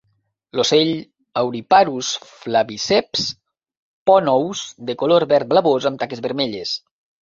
L'ocell auriparus flaviceps pon ous de color verd blavós amb taques vermelles.